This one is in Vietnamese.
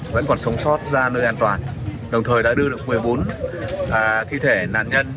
vẫn còn sống sót ra nơi an toàn đồng thời đã đưa được một mươi bốn thi thể nạn nhân